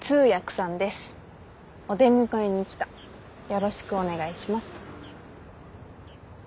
よろしくお願いします。